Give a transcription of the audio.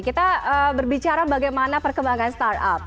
kita berbicara bagaimana perkembangan start up